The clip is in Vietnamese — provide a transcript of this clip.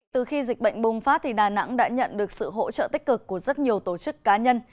từ khi dịch bệnh bùng phát đà nẵng đã nhận được sự hỗ trợ tích cực của rất nhiều tổ chức cá nhân